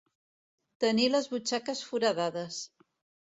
Tenir les butxaques foradades.